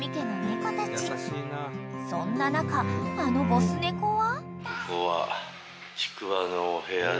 ［そんな中あのボス猫は］